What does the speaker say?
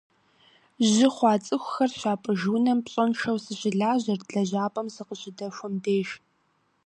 Жьы хъуа цӏыхухэр щапӏыж унэм пщӏэншэу сыщылажьэрт лэжьапӏэм сыкъыщыдэхуэм деж.